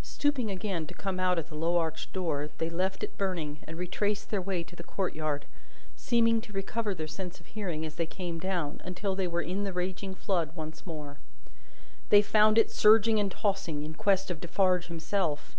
Stooping again to come out at the low arched door, they left it burning, and retraced their way to the courtyard; seeming to recover their sense of hearing as they came down, until they were in the raging flood once more. They found it surging and tossing, in quest of Defarge himself.